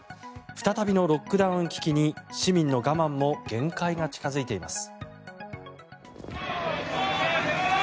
再びのロックダウン危機に市民の我慢も限界に近付いています。